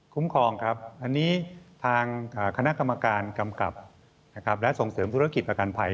ครองครับอันนี้ทางคณะกรรมการกำกับและส่งเสริมธุรกิจประกันภัย